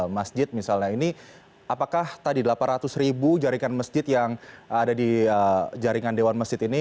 masjid misalnya ini apakah tadi delapan ratus ribu jaringan masjid yang ada di jaringan dewan masjid ini